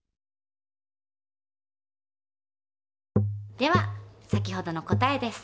では先ほどの答えです。